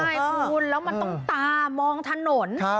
ใช่คุณแล้วมันต้องตามองถนน